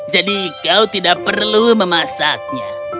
jadi kau tidak perlu memasaknya